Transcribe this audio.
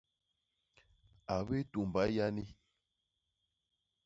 A bitumba yani.